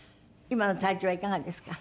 今の体調はいかがですか？